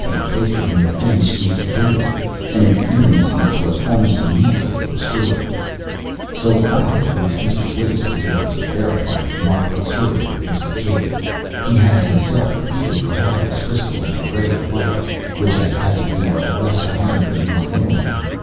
He placed it in the thin streak of daylight, and its luminousness was almost immediately restored. So far, at least, Mr. Wace was able to verify the remarkable story of Mr. Cave. He has himself repeatedly held this crystal in a ray of light (which had to be of a less diameter than one millimetre).